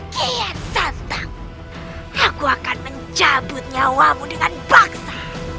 kian santang aku akan mencabut nyawamu dengan baksa